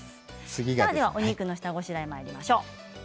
お肉の下ごしらえまいりましょう。